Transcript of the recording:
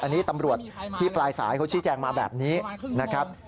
อันนี้ตำรวจที่ปลายสายเขาชี้แจงมาแบบนี้นะครับ